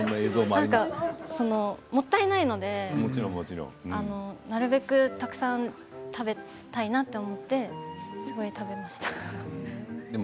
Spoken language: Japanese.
もったいないのでなるべくたくさん食べたいなと思ってすごい食べました。